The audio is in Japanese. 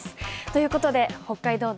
ということで「北海道道」